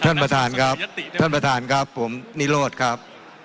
ฉันประถานครับฉันประถานครับผมนีโรทครับ